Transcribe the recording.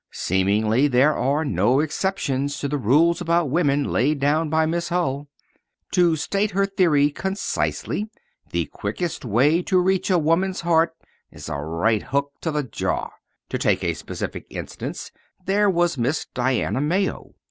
Seemingly, there are no exceptions to the rules about women laid down by Miss Hull. To state her theory concisely, the quickest way to reach a woman's heart is a right hook to the jaw. To take a specific instance, there was Miss Diana Mayo.